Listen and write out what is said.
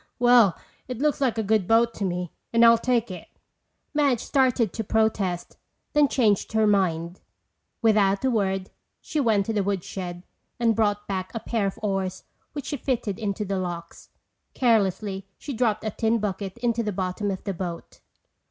"Well, it looks like a good boat to me and I'll take it." Madge started to protest then changed her mind. Without a word, she went to the woodshed and brought back a pair of oars which she fitted into the locks. Carelessly, she dropped a tin bucket into the bottom of the boat.